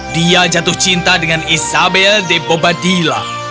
dia jatuh cinta dengan isabel de bobadilla